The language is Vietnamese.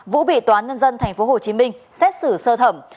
vũ bị toán nhân dân tp hcm xét xử sơ thẩm